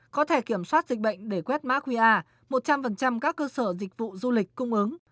có thể kiểm soát dịch bệnh để quét mã qr một trăm linh các cơ sở dịch vụ du lịch cung ứng